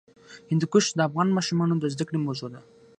هندوکش د افغان ماشومانو د زده کړې موضوع ده.